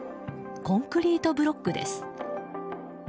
コンクリートブロックです。